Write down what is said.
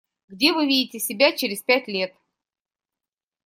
Где вы видите себя через пять лет?